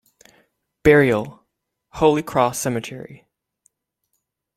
Burial: Holy Cross Cemetery.